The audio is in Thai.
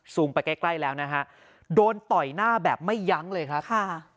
ไปใกล้ใกล้แล้วนะฮะโดนต่อยหน้าแบบไม่ยั้งเลยครับค่ะ